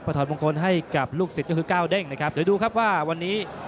ถอดมงคลให้กับลูกศิษย์ก็คือก้าวเด้งนะครับเดี๋ยวดูครับว่าวันนี้